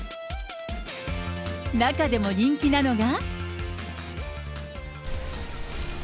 中でも人気なのが。